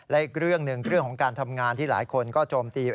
และอีกเรื่องหนึ่งเรื่องของการทำงานที่หลายคนก็โจมตี